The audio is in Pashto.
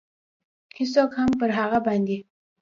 هېڅوک هم پر هغه باندې.